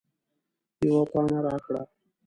یوه پاڼه راکړه